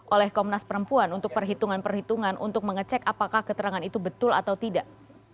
oleh komnas perempuan untuk perhitungan perhitungan untuk mengecek apakah keterangan itu betul atau tidak